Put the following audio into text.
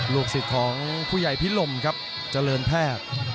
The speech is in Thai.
ลูกศิษย์ของผู้ใหญ่พิลมครับเจริญแพทย์